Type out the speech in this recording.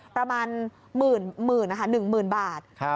ประมาณหมื่นนะคะหนึ่งหมื่นบาท